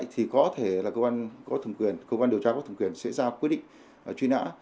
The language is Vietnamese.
thì có thể là cơ quan điều tra có thùng quyền sẽ ra quyết định truy nã